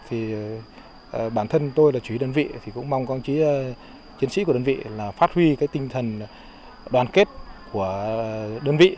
thì bản thân tôi là chủ yếu đơn vị thì cũng mong các chiến sĩ của đơn vị là phát huy cái tinh thần đoàn kết của đơn vị